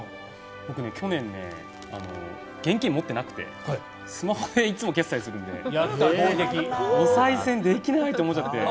僕、去年現金を持ってなくてスマホで決済をするのでおさい銭できないと思っちゃって。